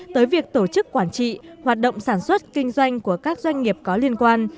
tới việc tổ chức quản trị hoạt động sản xuất kinh doanh của các doanh nghiệp có liên quan